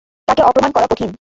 তাকে অপ্রমাণ করা কঠিন।